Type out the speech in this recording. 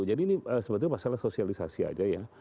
jadi ini sebetulnya masalah sosialisasi aja ya